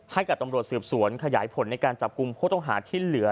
ให้กับตำรวจสืบสวนขยายผลในการจับกลุ่มผู้ต้องหาที่เหลือ